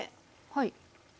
はい。